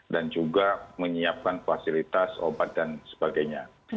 juga menyiapkan fasilitas obat dan sebagainya